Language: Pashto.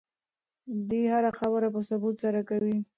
دی هره خبره په ثبوت سره کوي.